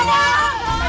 kamu bu endang